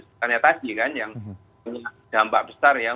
ini juga ya kemungkinan tersebut ya